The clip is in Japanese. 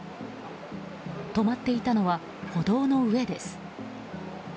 止まっていたのは歩道の上です。